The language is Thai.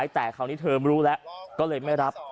แต่คราวนี้เธอรู้แล้วก็เลยไม่รับ